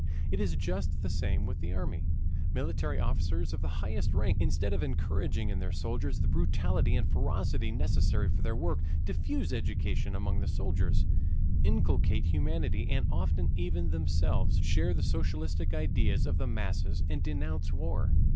It is just the same with the army. Military officers of the highest rank, instead of encouraging in their soldiers the brutality and ferocity necessary for their work, diffuse education among the soldiers, inculcate humanity, and often even themselves share the socialistic ideas of the masses and denounce war.